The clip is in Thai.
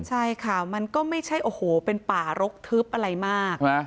ใช่ค่ะมันก็ไม่ใช่โอ้โหเป็นป่ารกทึบอะไรมาก